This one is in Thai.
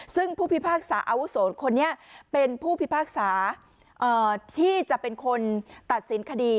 ซึ่งผู้พิพากษาอาวุโสคนนี้เป็นผู้พิพากษาที่จะเป็นคนตัดสินคดี